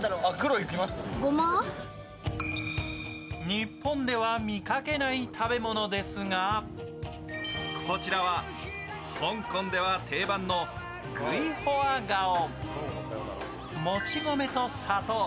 日本では見かけない食べ物ですがこちらは、香港では定番のグイホアガオ。